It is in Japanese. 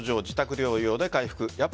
自宅療養で回復。